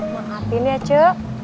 mengapin ya cu